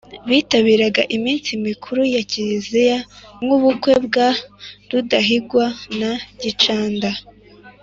bitabiraga iminsi mikuru ya Kiliziya nk'ubukwe bwa Rudahigwa na Gicanda